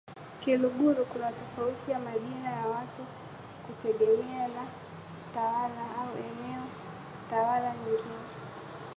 Kiluguru kuna tofauti ya majina ya watu kutegemea na tawala au eneo tawala nyingine